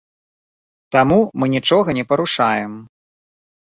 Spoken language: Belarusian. Таму мы нічога не парушаем.